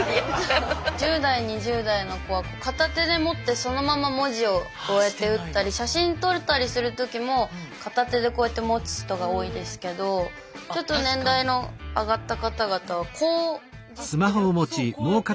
１０代２０代の子は片手で持ってそのまま文字をこうやって打ったり写真撮ったりする時も片手でこうやって持つ人が多いですけどちょっと年代の上がった方々はこういじってる。